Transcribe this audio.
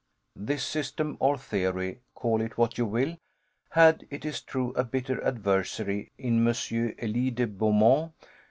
This system or theory, call it what you will, had, it is true, a bitter adversary in M. Elie de Beaumont.